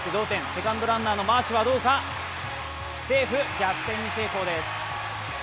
セカンドランナーのマーシュはどうか、セーフ、逆転に成功です。